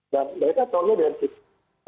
dan mereka cowoknya dari televisi